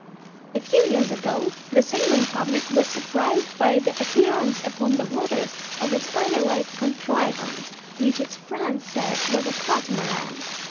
] A few years ago the sailing public was surprised by the appearance upon the waters of a spider like contrivance which its friends said was a "catamaran."